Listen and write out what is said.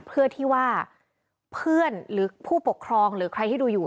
เพื่อที่ว่าเพื่อนหรือผู้ปกครองหรือใครที่ดูอยู่